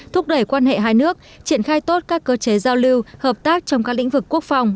thúc đẩy quan hệ hai nước triển khai tốt các cơ chế giao lưu hợp tác trong các lĩnh vực quốc phòng